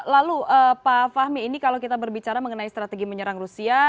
lalu pak fahmi ini kalau kita berbicara mengenai strategi menyerang rusia